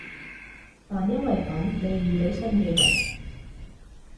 但因為噉，你遇到新嘅人